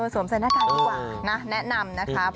สวมใส่หน้ากากดีกว่านะแนะนำนะครับ